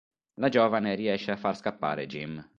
La giovane riesce a far scappare Jim.